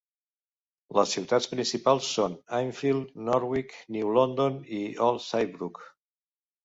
Les ciutats principals són: Enfield, Norwich, New London i Old Saybrook.